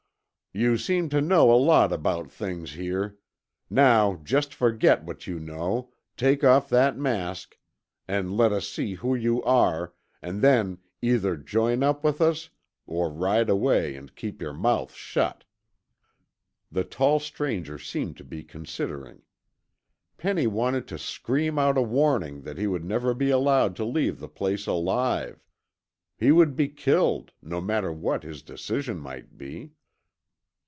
"You seem to know a lot about things here. Now just forget what you know, take off that mask, and let us see who you are, and then either join up with us or ride away and keep your mouth shut." The tall stranger seemed to be considering. Penny wanted to scream out a warning that he would never be allowed to leave the place alive. He would be killed, no matter what his decision might be.